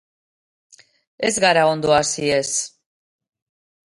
Ez gara oso ondo hasi, ez.